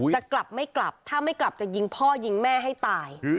จะกลับไม่กลับถ้าไม่กลับจะยิงพ่อยิงแม่ให้ตาย